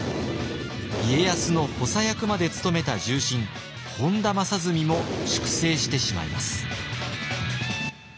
家康の補佐役まで務めた重臣本多正純も粛清してしまいます。